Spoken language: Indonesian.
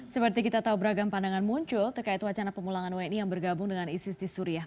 seperti kita tahu beragam pandangan muncul terkait wacana pemulangan wni yang bergabung dengan isis di suriah